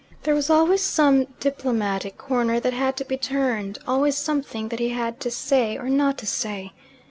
There was always some diplomatic corner that had to be turned, always something that he had to say or not to say.